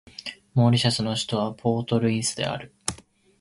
モーリシャスの首都はポートルイスである